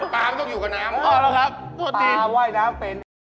ตามต้องอยู่กับน้ำอ่าแหละครับโทษทีตาไว้น้ำเป็น